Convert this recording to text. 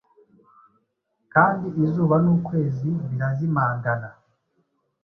Kandi izuba n'ukwezi birazimangana,